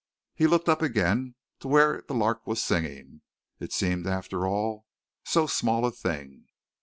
He looked up again to where the lark was singing. It seemed, after all, so small a thing!